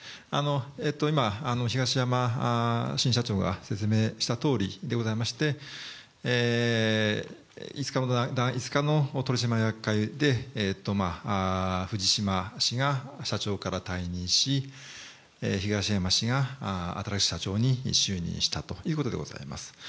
今、東山新社長が説明したとおりでございまして、５日の取締役会で藤島氏が社長から退任し、東山氏が新しい社長に就任したということでございます。